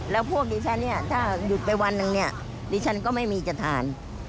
แล้วพวกดิฉันถ้าหยุดไปวันนึงดิฉันก็ไม่มีจะทาน